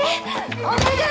お願い！